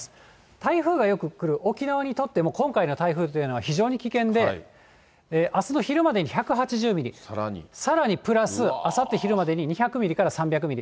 台風がよく来る沖縄にとっても、今回の台風というのは非常に危険で、あすの昼までに１８０ミリ、さらにプラス、あさって昼までに２００ミリから３００ミリ。